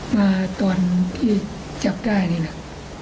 มาตอนที่จับได้นี่แหละ